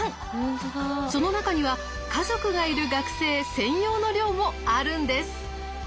その中には家族がいる学生専用の寮もあるんです。